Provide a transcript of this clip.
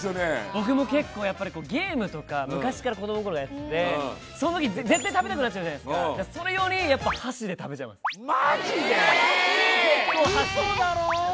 僕も結構やっぱりゲームとか昔から子どもの頃からやっててその時絶対食べたくなっちゃうじゃないですかそれ用にやっぱまじで！？